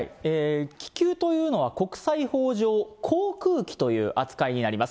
気球というのは国際法上、航空機という扱いになります。